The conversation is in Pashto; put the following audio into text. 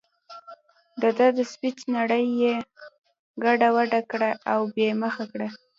دده د سوچ نړۍ یې ګډه وډه کړه او یې مخه کړه.